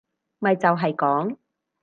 咪就係講